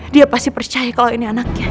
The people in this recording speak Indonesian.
dia pasti percaya kalau ini anaknya